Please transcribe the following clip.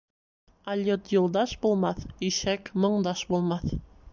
Алйот юлдаш булмаҫ, ишәк моңдаш булмаҫ.